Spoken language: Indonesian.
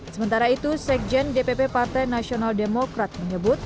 sementara itu sekjen dpp partai nasional demokrat menyebut